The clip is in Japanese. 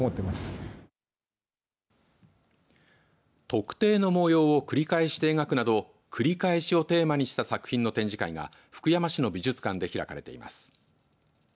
特定の模様を繰り返して描くなど繰り返しをテーマにした作品の展示会が福山市の美術館で開かれています。